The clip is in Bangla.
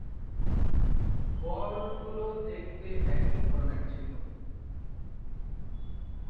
বলগুলো দেখতে একই ধরনের ছিল।